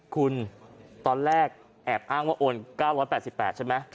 คุณตอนแรกแอบอ้างว่าโอน๙๘๘ใช่ไหม